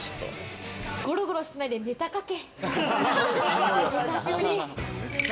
ゴロゴロしないでネタ書け。